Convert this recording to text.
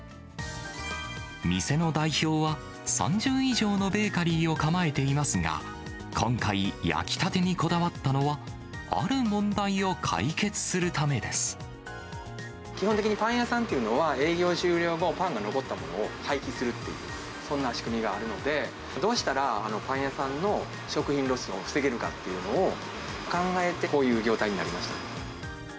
店の代表は３０以上のベーカリーを構えていますが、今回、焼きたてにこだわったのは、基本的にパン屋さんというのは、営業終了後、パンが残ったのを廃棄するっていう、そんな仕組みがあるので、どうしたらパン屋さんの食品ロスを防げるかというのを考えて、こういう業態になりました。